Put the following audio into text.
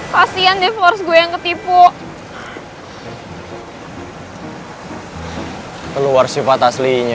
kasian deh forresta